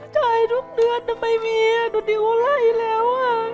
ชายทุกเดือนไม่มีดูดิวอะไรแล้ว